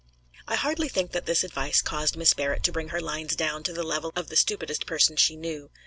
I hardly think that this advice caused Miss Barrett to bring her lines down to the level of the stupidest person she knew.